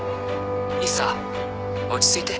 理沙落ち着いて。